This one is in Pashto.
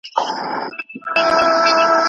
د ټولنپوهانو کار د یوې دقیقې پوهې لپاره حیاتي دی.